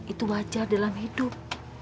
itu wajar dalam hidup